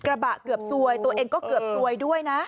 กระบะเกือบซวยตัวเองก็เกือบซวยด้วยนะ